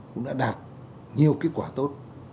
công tác xây dựng đảng cũng đã đạt nhiều kết quả tốt